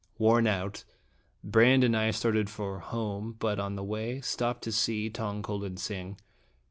Worn out, Brande and I started for home, but on the way stopped to see Tong ko lin sing.